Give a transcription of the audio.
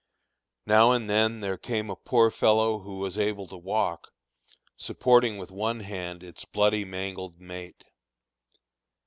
Now and then there came a poor fellow who was able to walk, supporting with one hand its bloody, mangled mate.